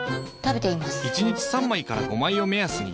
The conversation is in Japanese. １日３枚から５枚を目安に。